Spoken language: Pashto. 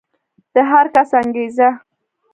د هر کس انګېزه